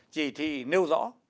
chỉ thị nêu rõ